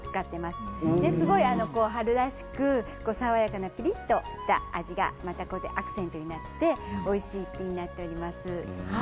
すごい春らしく、爽やかなピリっとした味がアクセントになっておいしくなっています。